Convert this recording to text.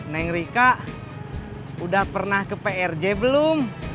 neng rika udah pernah ke prj belum